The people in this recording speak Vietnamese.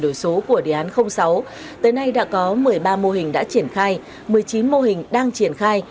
đổi số của đề án sáu tới nay đã có một mươi ba mô hình đã triển khai một mươi chín mô hình đang triển khai